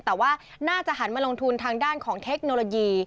แต่ว่าน่าจะหันมาลงทุนทางด้านของเทคโนโลยี